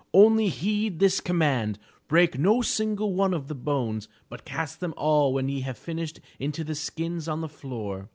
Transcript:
Only heed this command, — ^break no single one of the bones, but cast them all when ye have finished into the skins on the floor."